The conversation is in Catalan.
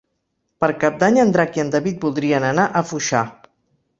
Per Cap d'Any en Drac i en David voldrien anar a Foixà.